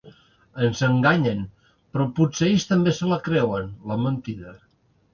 Ens enganyen, però potser ells també se la creuen, la mentida.